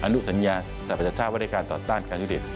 อนุสัญญาสรรพชาติวรรดิการต่อต้านการชุดฤทธิ์